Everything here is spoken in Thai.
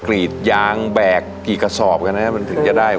กรีดยางแบกกี่กระสอบกันนะครับ